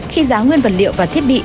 khi giá nguyên vật liệu và thiết bị